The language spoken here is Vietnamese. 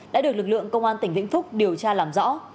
đã được lực lượng công an tỉnh vĩnh phúc điều tra làm rõ